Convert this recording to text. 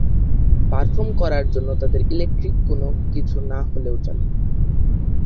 Perform করার জন্য তাদের ইলেক্ট্রিক কোন কিছু না হলেও চলে।